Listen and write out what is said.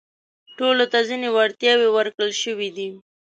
ټولو ته ځينې وړتياوې ورکړل شوي دي.